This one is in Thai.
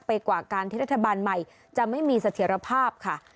กว่าการที่รัฐบาลใหม่จะไม่มีเสถียรภาพค่ะ